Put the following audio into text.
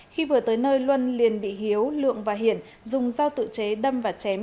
khi vừa tới nơi luân liền bị hiếu lượng và hiển dùng dao tự chế đâm và chém